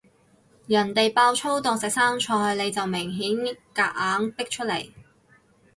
人哋爆粗當食生菜，你就明顯夾硬逼出嚟